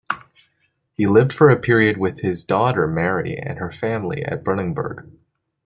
He lived for a period with his daughter Mary and her family at Brunnenburg.